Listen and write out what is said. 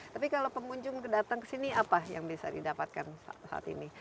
tapi kalau pengunjung datang ke sini apa yang bisa didapatkan saat ini